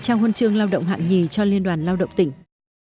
trao huân chương lao động hạng nhì cho liên đoàn lao động tỉnh